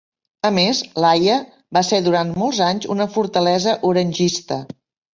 A més, l'Haia va ser durant molts anys una fortalesa orangista.